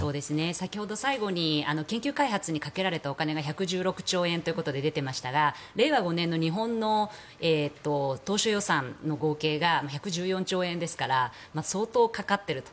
先ほど最後に研究開発にかけられたお金が１１６兆円ということで出ていましたが令和５年の日本の当初予算の合計が１１４兆円ですから相当かかっていると。